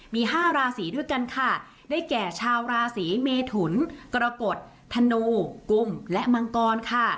มี๕ราศีด้วยกันค่ะได้แก่ชาวราศีเมถุนกรกฎธนูกุมและมังกรค่ะ